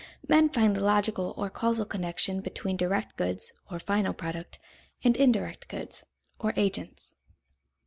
Men find the logical or causal connection between direct goods, or final product, and indirect goods, or agents.